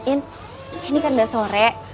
ini kan udah sore